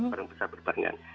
barang besar berparingan